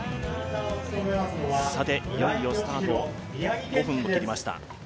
さて、いよいよスタート５分を切りました。